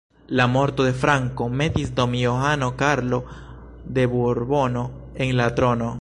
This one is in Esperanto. La morto de Franco metis Don Johano Karlo de Burbono en la trono.